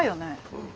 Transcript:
うん。